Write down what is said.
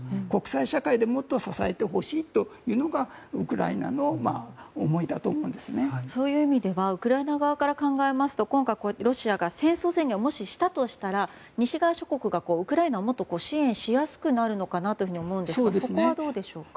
国際社会でもっと支えてほしいというのがそういう意味ではウクライナ側から考えますと今回、ロシアが戦争宣言をもししたとしたら西側諸国がウクライナをもっと支援しやすくなるのかなというふうに思うんですがそこはどうでしょうか。